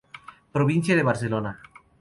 Provincia de Barcelona